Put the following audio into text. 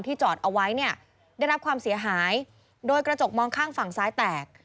จอดเอาไว้เนี่ยได้รับความเสียหายโดยกระจกมองข้างฝั่งซ้ายแตก